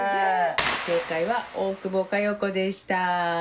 正解は大久保佳代子でした。